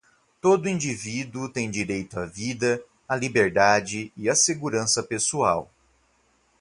Todo indivíduo tem direito à vida, à liberdade e à segurança pessoal.